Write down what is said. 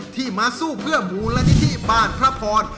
ที่มาสู้เพื่อมูลนิธิบ้านพระพร